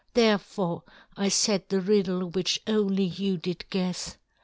Therefore I set the riddle which only you did guess.